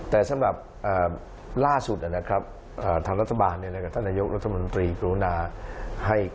แต่สำหรับล่าสุดทางรัฐบาลท่านนายกรุณารัฐมนตรี